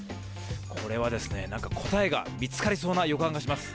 これは答えが見つかりそうな予感がします。